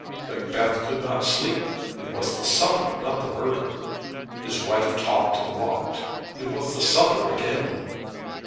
Macbeth could not sleep. It was the supper, not the murder. His wife talked and walked. It was the supper again.